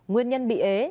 nguyên nhân bị ế